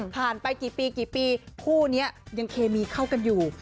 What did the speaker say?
ไปกี่ปีกี่ปีคู่นี้ยังเคมีเข้ากันอยู่